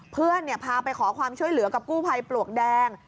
เพื่อนพาไปขอความช่วยเหลือกับกู้ภัยปลวกแดง